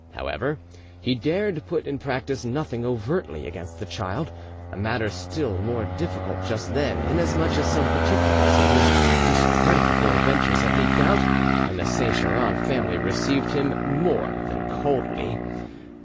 However, he dared put in practice nothing overtly against the child, a matter still more difficult just then, inasmuch as some particulars of his discreditable adventures had leaked out, and the Saint Geran family received him more than coldly.